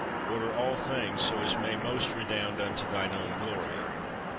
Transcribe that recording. Order all things so as may most' redound unto Thine own glory.